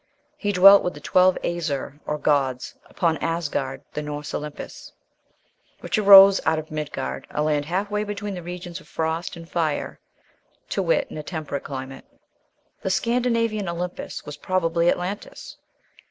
He dwelt with the twelve Æsir, or gods, upon Asgard, the Norse Olympus, which arose out of Midgard, a land half way between the regions of frost and fire (to wit, in a temperate climate). The Scandinavian Olympus was probably Atlantis.